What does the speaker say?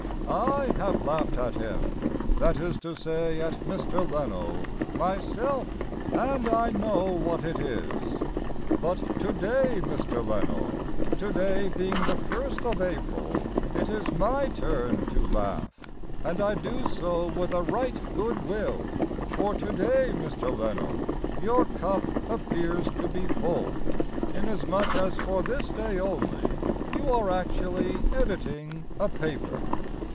I have laughed at him (That is to say, at Mr. Leno) myself, And I know what it is; But to day, Mr. Leno, To day being the 1st of April, It is my turn to laugh, And I do so with a right good will, For to day, Mr. Leno, Your cup appears to be full, Inasmuch as for this day only You are actually editing a paper!